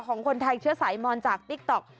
ของคนไทยเชื้อสายมอนจากติ๊กต๊อก